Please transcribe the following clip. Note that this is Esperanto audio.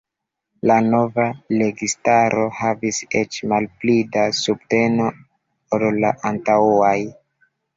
La nova registaro havis eĉ malpli da subteno ol la antaŭaj.